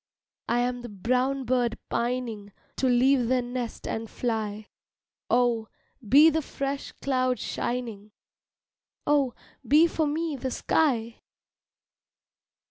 I am the brown bird pining To leave the nest and fly Oh, be the fresh cloud shining, Oh, be for me the sky!